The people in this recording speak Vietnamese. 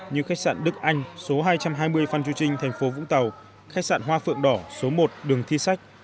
như khách sạn đức anh số hai trăm hai mươi phan chu trinh thành phố vũng tàu khách sạn hoa phượng đỏ số một đường thi sách